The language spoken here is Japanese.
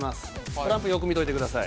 トランプよく見ておいてください。